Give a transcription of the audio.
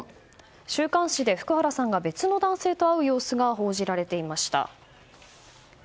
週刊誌で、福原さんが別の男性と会う様子が報じられていました。